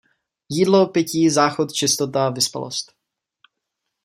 Jídlo, pití, záchod, čistota, vyspalost.